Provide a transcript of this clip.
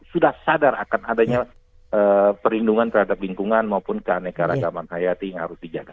sudah sadar akan adanya perlindungan terhadap lingkungan maupun keanekaragaman hayati yang harus dijaga